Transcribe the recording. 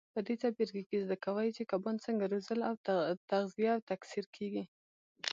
په دې څپرکي کې زده کوئ چې کبان څنګه روزل تغذیه او تکثیر کېږي.